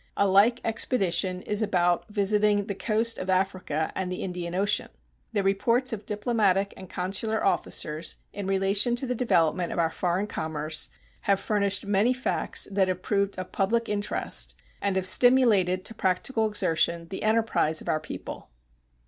A like expedition is about visiting the coast of Africa and the Indian Ocean. The reports of diplomatic and consular officers in relation to the development of our foreign commerce have furnished many facts that have proved of public interest and have stimulated to practical exertion the enterprise of our people.